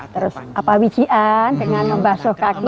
terus apa wijian dengan membasuh kaki